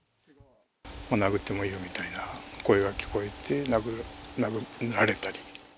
殴ってもいいよみたいな声が聞こえて、殴られたり。